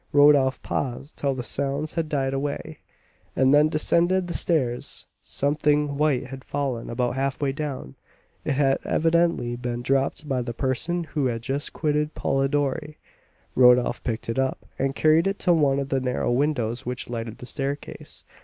Rodolph paused till the sounds had died away, and then descended the stairs. Something white had fallen about half way down; it had evidently been dropped by the person who had just quitted Polidori. Rodolph picked it up, and carried it to one of the narrow windows which lighted the staircase.